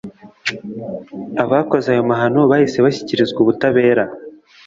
abakoze ayo mahano bahise bashyikirizwa ubutabera